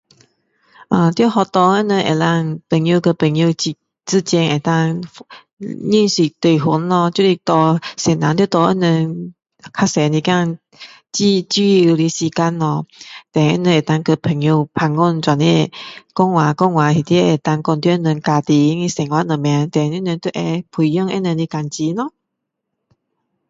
嗯，在学校他们能够朋友跟朋友之-之间能够认识对方咯！就是说老师要给他们多一点自-自由的时间咯，then 他们能够跟朋友聊天这样。讲话讲话里面可以讲到人家庭的生活怎样。then 他们就会培养他们的感情咯。